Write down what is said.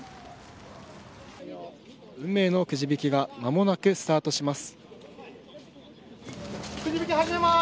運命のくじ引きが間もなくスタートします。